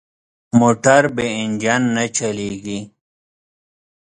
موټر بې انجن نه چلېږي.